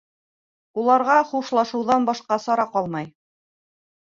Уларға хушлашыуҙан башҡа сара ҡалмай.